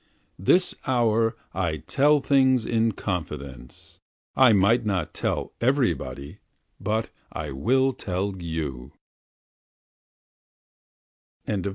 This hour I tell things in confidence, I might not tell everybody, but I will tell you.